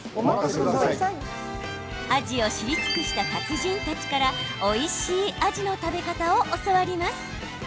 アジを知り尽くした達人たちからおいしいアジの食べ方を教わります。